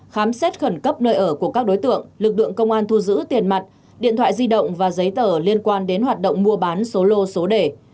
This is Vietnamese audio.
khám xét khẩn cấp nơi ở của các đối tượng lực lượng công an thu giữ tiền mặt điện thoại di động và giấy tờ liên quan đến hoạt động mua bán số lô số đề